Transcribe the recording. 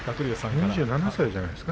２７じゃないですか。